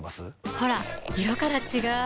ほら色から違う！